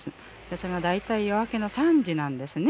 それが大体夜明けの３時なんですね。